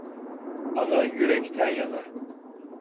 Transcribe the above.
Ana, yürekten yana.